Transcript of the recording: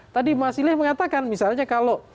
tadi mas silih mengatakan misalnya kalau